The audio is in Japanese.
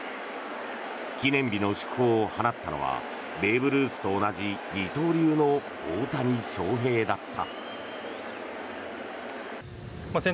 記念日の祝砲を放ったのはベーブ・ルースと同じ二刀流の大谷翔平だった。